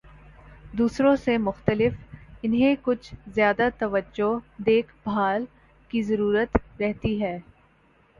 دوسرے سے مختلف، انہیں کچھ زیادہ توجہ، دیکھ بھال کی ضرورت رہتی ہے۔